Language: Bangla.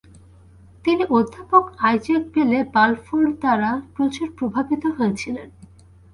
তিনি অধ্যাপক আইজ্যাক বেলে বালফোর দ্বারা প্রচুর প্রভাবিত হয়েছিলেন।